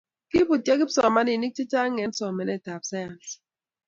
Kiibutyo kipsimaninik chechang' eng' somanetab sayans